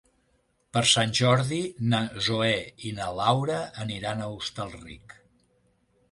Per Sant Jordi na Zoè i na Laura aniran a Hostalric.